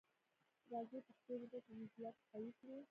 راځی پښتو ژبه په موزیلا کي قوي کړو.